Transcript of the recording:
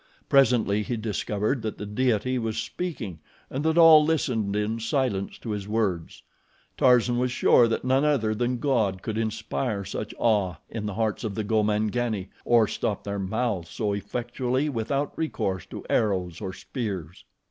Presently he discovered that the deity was speaking and that all listened in silence to his words. Tarzan was sure that none other than God could inspire such awe in the hearts of the Gomangani, or stop their mouths so effectually without recourse to arrows or spears.